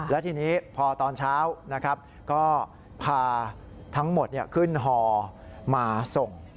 และทีนี้พอตอนเช้านะครับก็พาทั้งหมดขึ้นฮอมาส่ง